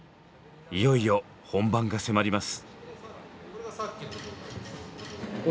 いよいよ本番が迫ります。